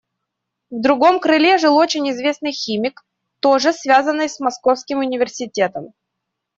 В другом крыле жил очень известный химик, тоже связанный с Московским университетом.